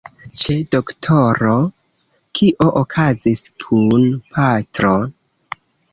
Ĉe doktoro? Kio okazis kun patro?